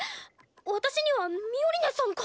私にはミオリネさんが。